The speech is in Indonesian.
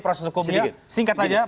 proses hukumnya singkat saja